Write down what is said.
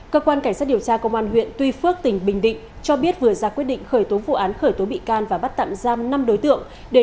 cơ quan cảnh sát điều tra công an huyện tuy phước tỉnh bình định cho biết vừa ra quyết định khởi tố vụ án khởi tố bị can và bắt tạm giam năm đối tượng